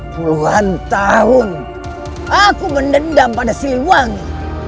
puluhan tahun aku mendendam pada si wangi